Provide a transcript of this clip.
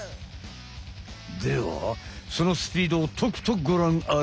ではそのスピードをとくとごらんあれ。